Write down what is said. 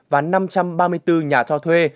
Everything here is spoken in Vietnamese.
và năm trăm ba mươi bốn nhà thoa thuê